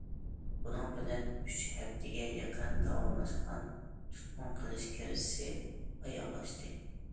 بۇنىڭ بىلەن ئۈچ ھەپتىگە يېقىن داۋاملاشقان تۇتقۇن قىلىش كىرىزىسى ئاياغلاشتى.